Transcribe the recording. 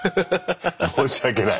申し訳ない？